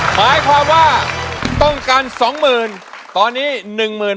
หมายความว่าต้องการสองหมื่นตอนนี้หนึ่งหมื่น